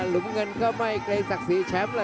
ลุมเงินก็ไม่เกรงสักสีแชมป์